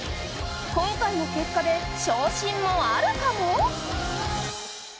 今回の結果で昇進もあるかも？